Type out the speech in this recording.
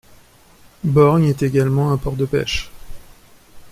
Borgne est également un port de pêche.